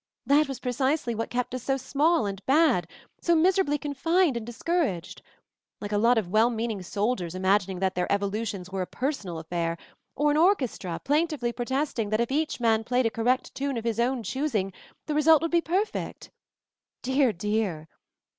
"That was precisely what kept us so small and bad, so miserably confined and discouraged. Like a lot of well meaning soldiers imagining that their evolutions were 'a personal affair' — or an orchestra plain tively protesting that if each man played a correct tune of his own choosing, the result would be perfect! Dear! dear!